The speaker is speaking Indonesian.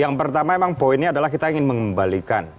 yang pertama memang poinnya adalah kita ingin mengembalikan